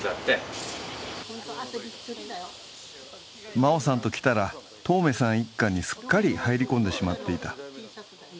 真生さんときたら、当銘さん一家にすっかり入り込んでしまっていた。